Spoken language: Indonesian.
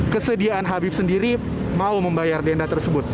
kesediaan habib sendiri mau membayar denda tersebut